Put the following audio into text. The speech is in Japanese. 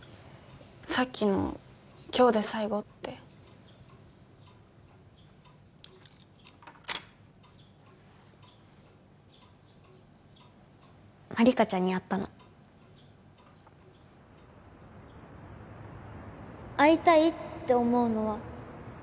さっきの今日で最後って万理華ちゃんに会ったの会いたいって思うのは